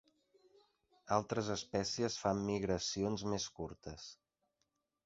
Altres espècies fan migracions més curtes.